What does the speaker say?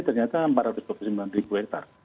ternyata empat ratus dua puluh sembilan hektar